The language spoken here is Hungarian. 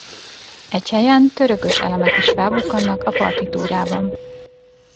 Egy helyen törökös elemek is felbukkannak a partitúrában.